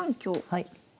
はい。